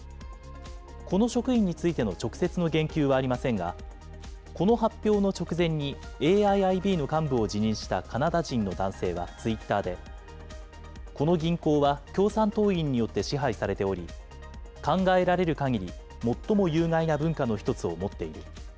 この職員についての直接の言及はありませんが、この発表の直前に、ＡＩＩＢの幹部を辞任したカナダ人の男性はツイッターで、この銀行は共産党員によって支配されており、考えられるかぎり、最も有害な文化の一つを持っている。